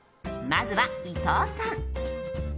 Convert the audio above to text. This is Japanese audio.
まずは、伊藤さん。